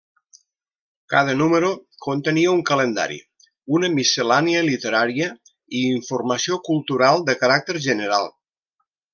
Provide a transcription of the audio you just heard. Cada número contenia un calendari, una miscel·lània literària i informació cultural de caràcter general.